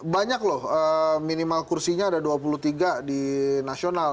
banyak loh minimal kursinya ada dua puluh tiga di nasional